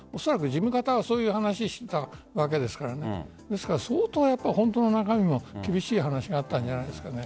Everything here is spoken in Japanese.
事務方は、そういう話をしていたわけですから相当本当の中身の厳しい話があったんじゃないですかね。